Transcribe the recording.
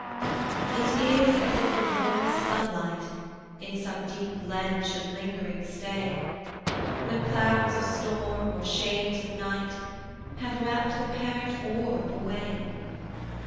It is as if the warm sunlight In some deep glen should lingering stay, When clouds of storm, or shades of night, Have wrapt the parent orb away.